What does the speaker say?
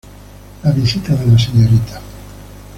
La visita de la Srta.